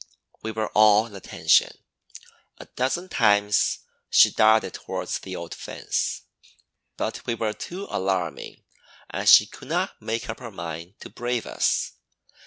We were all attention. A dozen times she darted towards the old fence, but we were too alarming and she could not make up her mind to brave us.